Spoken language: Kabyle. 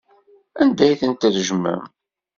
Anda ay tent-tṛejmem?